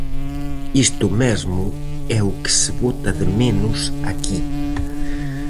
Isto mesmo é o que se bota de menos aquí.